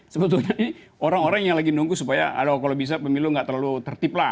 sebetulnya ini orang orang yang lagi nunggu supaya kalau bisa pemilu tidak terlalu tertipla